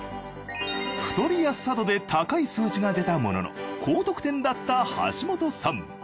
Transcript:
太りやすさ度で高い数値が出たものの高得点だった橋本さん。